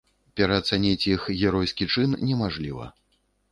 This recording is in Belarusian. Пераацаніць іх геройскі чын немажліва.